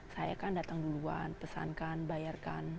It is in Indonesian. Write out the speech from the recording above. saya kan datang duluan pesankan bayarkan